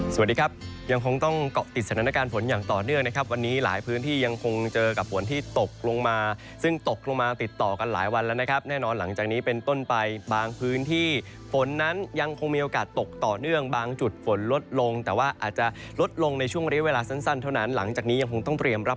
สวัสดีครับยังคงต้องเกาะติดสถานการณ์ฝนอย่างต่อเนื่องนะครับวันนี้หลายพื้นที่ยังคงเจอกับฝนที่ตกลงมาซึ่งตกลงมาติดต่อกันหลายวันแล้วนะครับแน่นอนหลังจากนี้เป็นต้นไปบางพื้นที่ฝนนั้นยังคงมีโอกาสตกต่อเนื่องบางจุดฝนลดลงแต่ว่าอาจจะลดลงในช่วงเรียกเวลาสั้นเท่านั้นหลังจากนี้ยังคงต้องเตรียมรับ